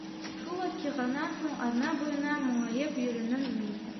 Шул ваҡиғанан һуң, аҙна буйына моңайып йөрөнөм мин.